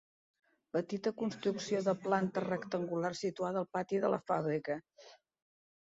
Petita construcció de planta rectangular situada al pati de la fàbrica.